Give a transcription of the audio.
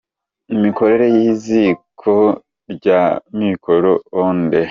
Imikorere y’iziko rya mikoro onde